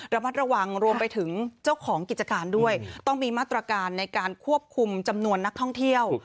ระมัดระวังรวมไปถึงเจ้าของกิจการด้วยต้องมีมาตรการในการควบคุมจำนวนนักท่องเที่ยว